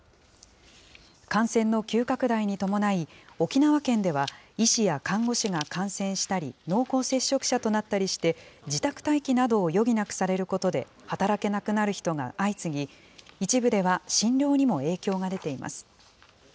感染の急拡大に伴い、沖縄県では医師や看護師が感染したり、濃厚接触者となったりして、自宅待機などを余儀なくされることで、働けなくなる人が相次ぎ、一部では診療にも影響が出ています。